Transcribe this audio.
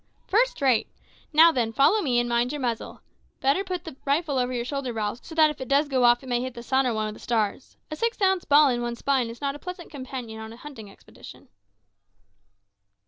"First rate. Now then, follow me, and mind your muzzle. Better put the rifle over your shoulder, Ralph, so that if it does go off it may hit the sun or one of the stars. A six ounce ball in one's spine is not a pleasant companion in a hunting expedition."